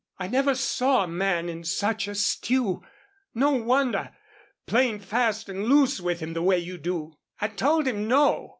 "I never saw a man in such a stew.... No wonder, playing fast and loose with him the way you do." "I told him No!"